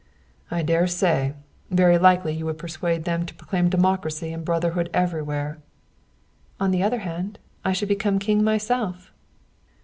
"I dare say! Very likely you would persuade them to proclaim democracy and brotherhood everywhere." "On the other hand, I should become king myself."